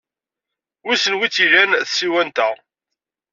Wissen wi tt-ilan tsiwant-a.